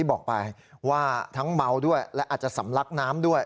บอกไปว่าทั้งเมาด้วยและอาจจะสำลักน้ำด้วย